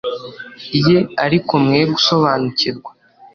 ye ariko mwe gusobanukirwa